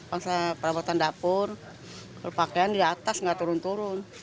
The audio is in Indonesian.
paksa perabotan dapur pakean di atas gak turun turun